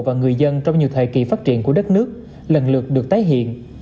và người dân trong nhiều thời kỳ phát triển của đất nước lần lượt được tái hiện